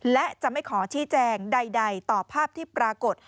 และจะไม่ขอชี้แจงใดต่อภาพที่ปรากฏ